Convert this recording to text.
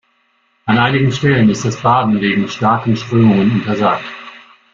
An einigen Stellen ist das Baden wegen starken Strömungen untersagt.